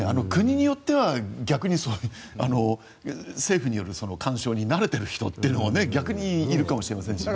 国によっては逆に政府による干渉に慣れている人も逆にいるかもしれませんしね。